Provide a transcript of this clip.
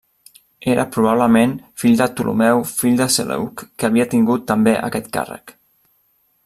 Era probablement fill del Ptolemeu fill de Seleuc que havia tingut també aquest càrrec.